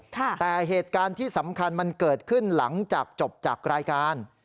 แต่เหตุการณ์ที่สำคัญมันเกิดขึ้นหลังจากจบจากรายการ